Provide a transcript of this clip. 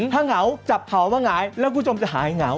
ถ้าเหงาจับเผาว่าหงายแล้วคุณผู้ชมจะหายเหงา